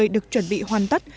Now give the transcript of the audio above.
được chuẩn bị hoàn tất